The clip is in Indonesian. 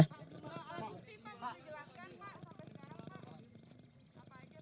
semua alam suci pak boleh jelaskan pak